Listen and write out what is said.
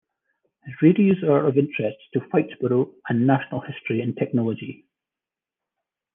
His radios are of interest to Whitesboro and national history in technology.